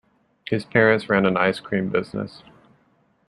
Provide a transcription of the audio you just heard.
His parents ran an ice cream business.